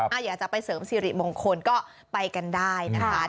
อยากจะไปเสริมสิริมงคลก็ไปกันได้นะคะ